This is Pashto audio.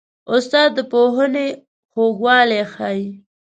استاد د پوهنې خوږوالی ښيي.